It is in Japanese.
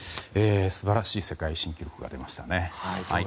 素晴らしい世界新記録が出ましたね。